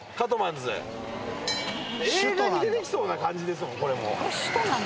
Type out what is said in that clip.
映画に出てきそうな感じですもんこれも。